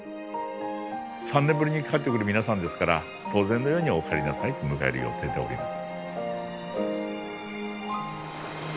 ３年ぶりに帰ってくる皆さんですから当然のように「お帰りなさい」と迎える予定でおります。